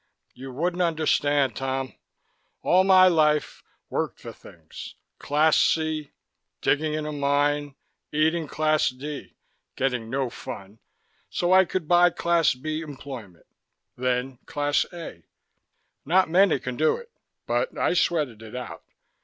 "You wouldn't understand, Tom. All my life, worked for things. Class C, digging in a mine, eating Class D, getting no fun, so I could buy Class B employment. Then Class A. Not many can do it, but I sweated it out.